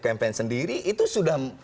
campaign sendiri itu sudah